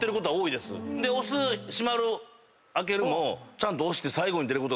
で押す閉まる開けるもちゃんと押して。